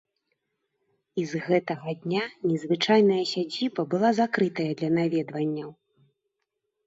І з гэтага дня незвычайная сядзіба была закрытая для наведванняў.